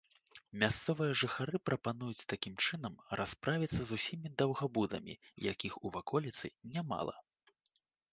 Мясцовыя жыхары прапануюць такім чынам расправіцца з усімі даўгабудамі, якіх у ваколіцы нямала.